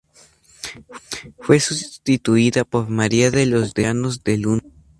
Fue sustituida por María de los Llanos de Luna.